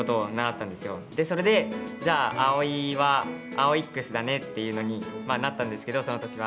それでじゃあ碧生は「アオイックス」だねっていうのになったんですけどその時は。